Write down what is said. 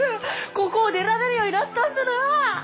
ここを出られるようになったんだな！